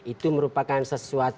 itu merupakan sesuatu yang sangat penting